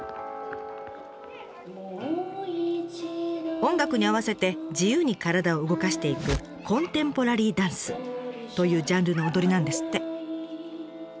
音楽に合わせて自由に体を動かしていく「コンテンポラリーダンス」というジャンルの踊りなんですって。